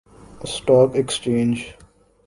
stock ایکسچینجتی